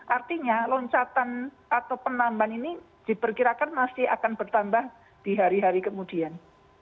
artinya loncatan atau penambahan ini diperkirakan masih akan bertambah di hari hari kemudian